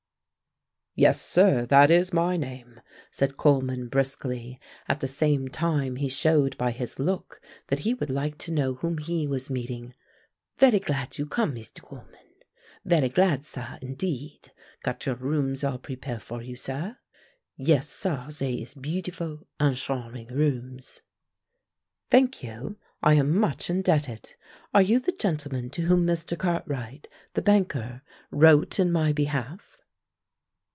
"Yes, sir, that is my name," said Coleman briskly, at the same time he showed by his look that he would like to know whom he was meeting. "Varee glad you come, Meestu Coleman; varee glad, sah, indeed. Got your rooms all prepare fo' you, sah. Yes, sah, zey is beautifu' an' sharming rooms." "Thank you; I am much indebted. Are you the gentleman to whom Mr. Cartwright, the banker, wrote in my behalf?"